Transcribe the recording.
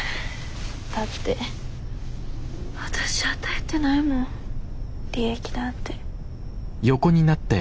だってわたし与えてないもん利益なんて。